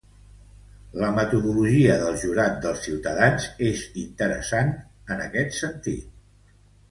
La metodologia del jurat dels ciutadans és interessant en este sentit.